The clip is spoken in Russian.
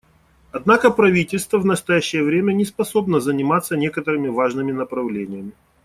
Однако правительство в настоящее время не способно заниматься некоторыми важными направлениями.